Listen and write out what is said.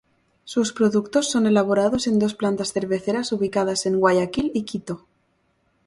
Sus productos son elaborados en dos plantas cerveceras ubicadas en Guayaquil y Quito.